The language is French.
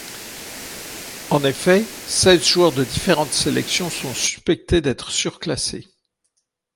En effet, seize joueurs de différentes sélections sont suspectés d'être surclassés.